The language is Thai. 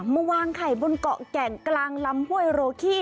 มาวางไข่บนเกาะแก่งกลางลำห้วยโรขี้